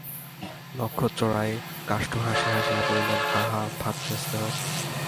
নক্ষত্ররায় কাষ্ঠহাসি হাসিয়া বলিলেন, হাঃ হাঃ, ভ্রাতৃস্নেহ!